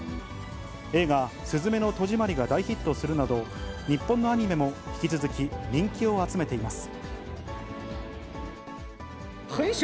映画、すずめの戸締まりが大ヒットするなど、日本のアニメも引き続き人気を集めています。